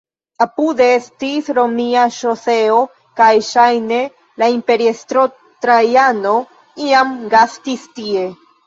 Apude estis romia ŝoseo kaj ŝajne la imperiestro Trajano iam gastis tie.